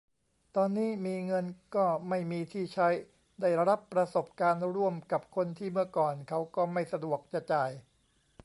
ตอนนี้มีเงินก็ไม่มีที่ใช้ ได้รับประสบการณ์ร่วมกับคนที่เมื่อก่อนเขาก็ไม่สะดวกจะจ่าย